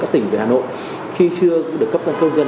tỉnh về hà nội khi chưa được cấp căn công dân